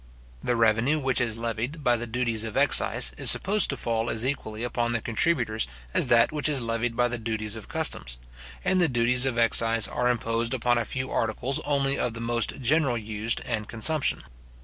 The revenue which is levied by the duties of excise is supposed to fall as equally upon the contributors as that which is levied by the duties of customs; and the duties of excise are imposed upon a few articles only of the most general used and consumption.